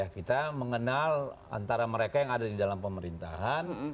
kita mengenal antara mereka yang ada di dalam pemerintahan